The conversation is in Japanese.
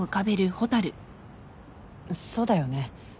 そうだよね。